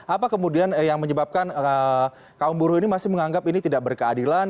apa kemudian yang menyebabkan kaum buruh ini masih menganggap ini tidak berkeadilan